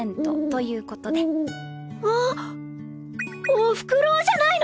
おふくろうじゃないの！